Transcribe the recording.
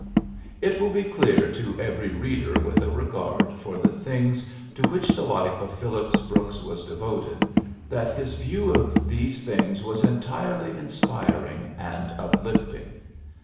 '^ It will be clear to every reader with a regard for the things to which the life of Phillips Brooks was devoted that his view of these things was entirely inspir ing and uplifting.